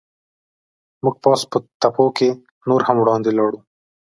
موږ پاس په تپو کې نور هم وړاندې ولاړو.